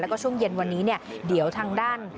แล้วก็ช่วงเย็นวันนี้เนี่ยเดี๋ยวทางด้าน